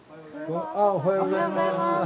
おはようございます。